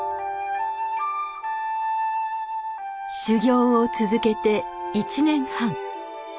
修業を続けて１年半。